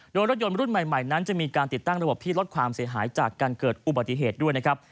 โดยรถยนต์รุ่นใหม่นั้นจะมีการติดตั้งระบบที่ลดความเสียหายจากการเกิดอุบัติเหตุด้วยนะครับ